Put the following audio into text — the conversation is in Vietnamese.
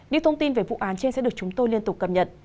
những thông tin về vụ án trên sẽ được chúng tôi liên tục cập nhật